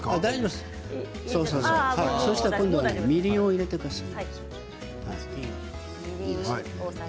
そしたらみりんを入れてください。